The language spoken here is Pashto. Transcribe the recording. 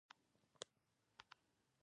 قلم د خلکو ترمنځ ذهنیت جوړوي